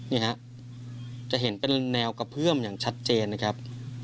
นี่ฮะจะเห็นเป็นแนวกระเพื่อมอย่างชัดเจนนะครับ